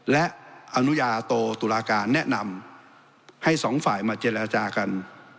และอนุญาโตตุลาการแนะนำให้สองฝ่ายมาเจรจากัน